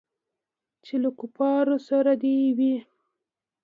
چې له کفارو سره دې وي.